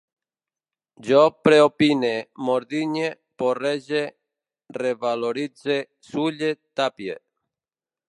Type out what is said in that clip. Jo preopine, mordinye, porrege, revaloritze, sulle, tapie